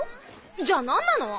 じゃあ何なの？